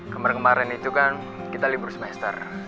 kemarin kemarin itu kan kita libur semester